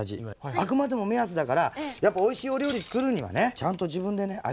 あくまでも目安だからやっぱおいしいお料理つくるにはねちゃんと自分でね味見して。